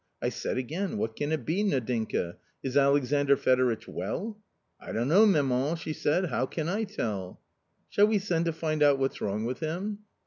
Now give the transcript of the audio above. I said again, * What can it be, Nadinka, is Alexandr Fedoritch well ?' 'I don't know, mamanj she said,. * how can I tell ?'* Shall we send to find out what's wrong with him